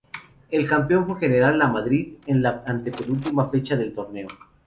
El campeón fue General Lamadrid en la antepenúltima fecha del torneo.